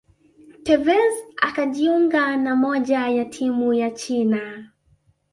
tevez akajiunga na moja ya timu ya China